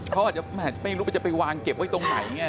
เขาไม่รู้ว่าไปวางเก็บไว้ไหน